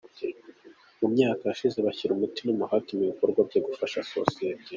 Mu myaka yashize bashyira umutima n’umuhate mu bikorwa byo gufasha sosiyete.